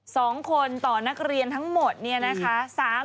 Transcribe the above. สองคนต่อนักเรียนทั้งหมดเนี่ยนะคะ